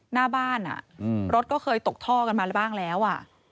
หน้าบ้านน่ะรถก็เคยตกน้วยบ้างแล้ว